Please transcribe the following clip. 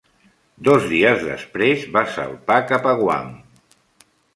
Dos dies després, va salpar cap a Guam.